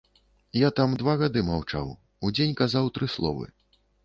Я там два гады маўчаў, у дзень казаў тры словы.